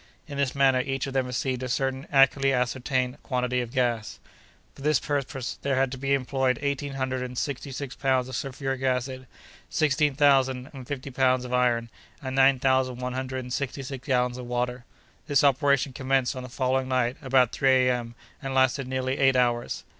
In this manner each of them received a certain accurately ascertained quantity of gas. For this purpose, there had to be employed eighteen hundred and sixty six pounds of sulphuric acid, sixteen thousand and fifty pounds of iron, and nine thousand one hundred and sixty six gallons of water. This operation commenced on the following night, about three A.M., and lasted nearly eight hours.